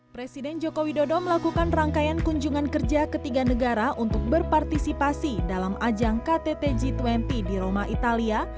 presiden joko widodo melakukan rangkaian kunjungan kerja ketiga negara untuk berpartisipasi dalam ajang ktt g dua puluh di roma italia